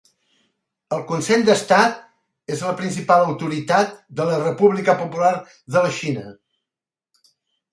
El Consell d'Estat és la principal autoritat de la República Popular de la Xina.